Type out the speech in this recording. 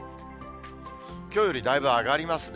きょうよりだいぶ上がりますね。